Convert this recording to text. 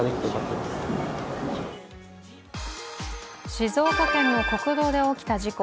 静岡県の国道で起きた事故。